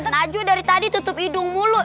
najwa dari tadi tutup hidung mulu